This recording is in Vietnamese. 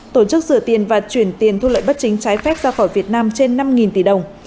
tổ chức rửa tiền và chuyển tiền thu lợi bất chính trái phép ra khỏi việt nam trên năm tỷ đồng